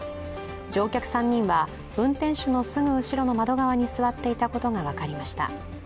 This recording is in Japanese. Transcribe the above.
乗客３人は運転手のすぐ後ろの窓側に座っていたことが分かりました。